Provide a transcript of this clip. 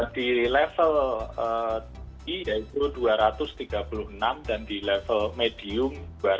di level i yaitu dua ratus tiga puluh enam dan di level medium dua ratus tujuh puluh delapan